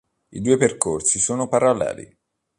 I due percorsi sono paralleli.